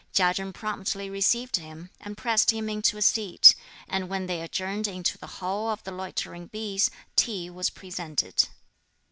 Chia Chen promptly received him, and pressed him into a seat; and when they adjourned into the Hall of the Loitering Bees, tea was presented.